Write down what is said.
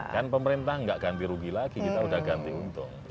kan pemerintah nggak ganti rugi lagi kita udah ganti untung